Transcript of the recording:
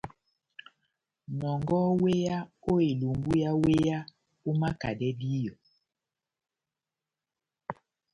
Nɔngɔhɔ wéya ó elungu yá wéya, omakadɛ díyɔ.